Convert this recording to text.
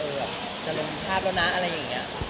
แบบจะลงภาพแล้วนะอะไรอย่างนี้